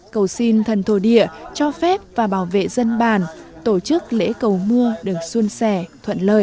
cầu xin thần thổ địa cho phép và bảo vệ dân bàn tổ chức lễ cầu mưa được xuân sẻ thuận lợi